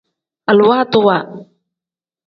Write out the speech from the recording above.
Aluwaatiwa.